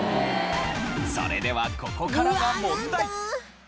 それではここからが問題。